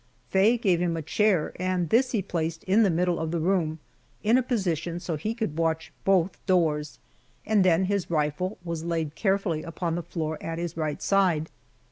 Faye gave him a chair, and this he placed in the middle of the room in a position so he could watch both doors, and then his rifle was laid carefully upon the floor at his right side.